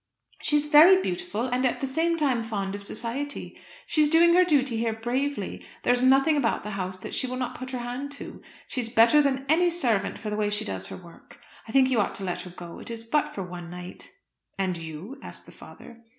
She is very beautiful, and at the same time fond of society. She is doing her duty here bravely; there is nothing about the house that she will not put her hand to. She is better than any servant for the way she does her work. I think you ought to let her go; it is but for the one night." "And you?" asked the father.